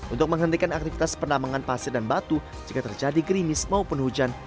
untuk menghentikan aktivitas penambangan pasir dan batu jika terjadi grimis maupun hujan